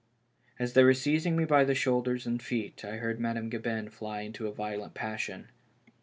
As they were seizing me by the shoulders and feet, I heard Madame Gabin fly into a violent passion.